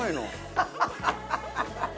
ハハハハ！